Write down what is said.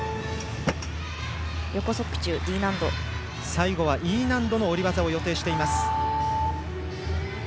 最後はＥ難度の下り技を予定しています。